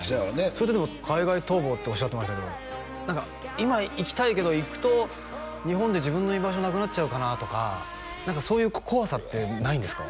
それってでも海外逃亡っておっしゃってましたけど何か今行きたいけど行くと日本で自分の居場所なくなっちゃうかなとか何かそういう怖さってないんですか？